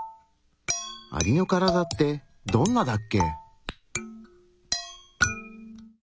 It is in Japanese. アリのカラダってどんなだっけ？